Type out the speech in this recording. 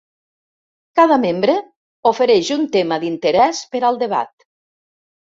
Cada membre ofereix un tema d'interès per al debat.